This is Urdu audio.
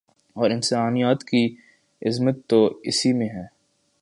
اور انسانیت کی عظمت تو اسی میں ہے